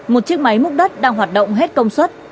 một chiếc máy múc đất đang hoạt động hết công suất